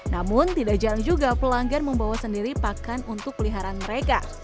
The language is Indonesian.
namun tidak jarang juga pelanggan membawa sendiri pakan untuk peliharaan mereka